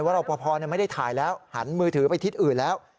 รอปภไม่ได้ถ่ายแล้วหันมือถือไปทิศอื่นแล้ว